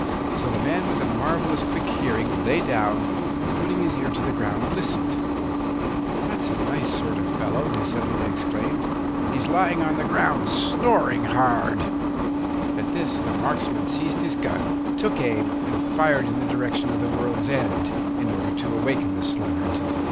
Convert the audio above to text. So the man with the marvellous quick hearing lay down and, putting his ear to the ground, listened. 'That's a nice sort of fellow!' he suddenly exclaimed. 'He's lying on the ground, snoring hard!' At this the marksman seized his gun, took aim, and fired in the direction of the world's end, in order to awaken the sluggard.